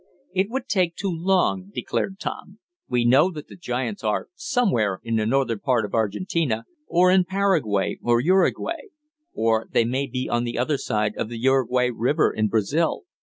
"It would take too long," declared Tom. "We know that the giants are somewhere in the northern part of Argentina, or in Paraguay or Uruguay. Or they may be on the other side of the Uruguay river in Brazil.